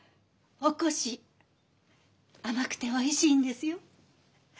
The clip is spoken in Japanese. おこし甘くておいしいんですよ。